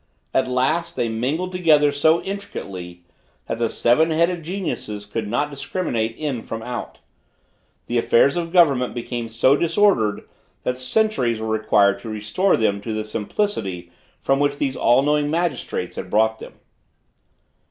At last, they mingled together so intricately, that the seven headed geniuses could not discriminate in from out. The affairs of government became so disordered that centuries were required to restore them to the simplicity from which these all knowing magistrates had brought them.